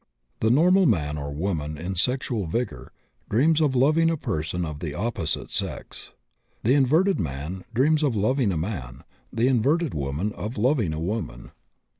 The normal man or woman in sexual vigor dreams of loving a person of the opposite sex; the inverted man dreams of loving a man, the inverted woman of loving a woman.